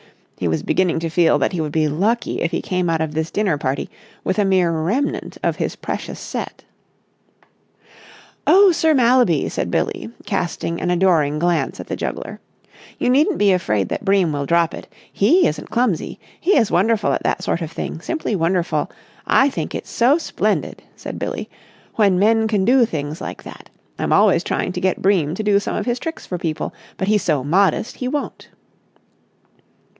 He was beginning to feel that he would be lucky if he came out of this dinner party with a mere remnant of his precious set. "Oh, Sir Mallaby," said Billie, casting an adoring glance at the juggler, "you needn't be afraid that Bream will drop it. He isn't clumsy! He is wonderful at that sort of thing, simply wonderful! I think it's so splendid," said Billie, "when men can do things like that. I'm always trying to get Bream to do some of his tricks for people, but he's so modest, he won't."